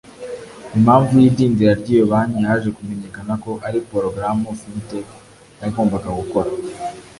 Impamvu y’idindira ry’iyo banki haje kumenyekana ko ari porogaramu Fintech yagombaga gukora